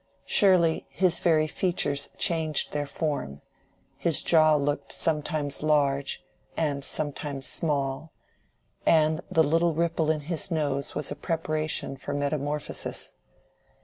Surely, his very features changed their form, his jaw looked sometimes large and sometimes small; and the little ripple in his nose was a preparation for metamorphosis.